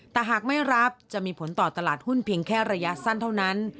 แต่หากไม่รับจะมีผลต่อตลาดหุ้นเพียงแค่ระยะสั้นเท่านั้น